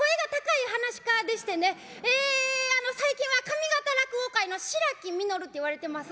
最近は上方落語界の白木みのるっていわれてます。